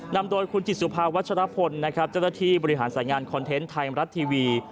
นำโดยคุณจิตสุภาวัชรพลนะครับเจ้าหน้าที่บริหารสายงานคอนเทนต์ไทยรัฐทีวี